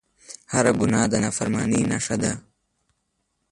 هر ګناه د نافرمانۍ نښه ده